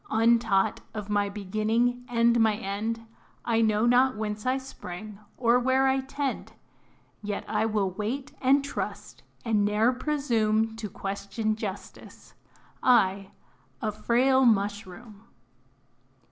Untaught of my beginning and my end, I know not whence I sprang, or where I tend; Yet, I will wait and trust, and ne'er presume To question JUSTICE I, a frail Mushroom!